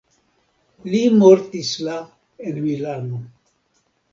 Li mortis la en Milano.